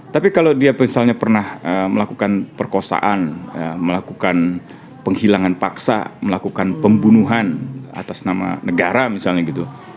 tapi kalau dia misalnya pernah melakukan perkosaan melakukan penghilangan paksa melakukan pembunuhan atas nama negara misalnya gitu